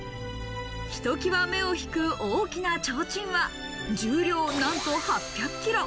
ひときわ目を引く大きな提灯は、重量、何と８００キロ。